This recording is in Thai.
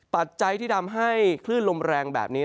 ปัจจัยที่ทำให้คลื่นลมแรงแบบนี้